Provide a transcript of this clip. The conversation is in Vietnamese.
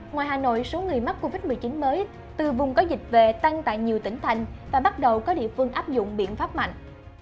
ngoài hà nội số người mắc covid một mươi chín mới từ vùng có dịch về tăng tại nhiều tỉnh thành và bắt đầu có địa phương áp dụng biện pháp mạnh